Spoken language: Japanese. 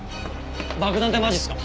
爆弾ってマジっすか？